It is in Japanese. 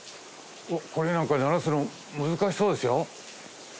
これなんか鳴らすの難しそうですよ。